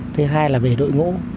thứ hai là về đội ngũ